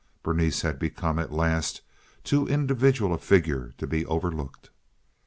Berenice had become at last too individual a figure to be overlooked.